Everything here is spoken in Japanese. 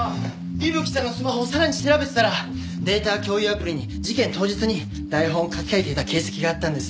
伊吹さんのスマホをさらに調べてたらデータ共有アプリに事件当日に台本を書き換えていた形跡があったんですよ。